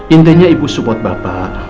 intinya ibu support bapak